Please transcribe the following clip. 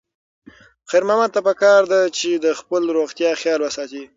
خیر محمد ته پکار ده چې د خپلې روغتیا خیال وساتي.